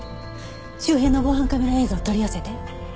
周辺の防犯カメラ映像を取り寄せて。